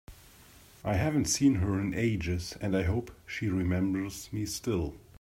I haven’t seen her in ages, and I hope she remembers me still!